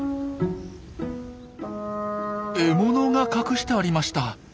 獲物が隠してありました。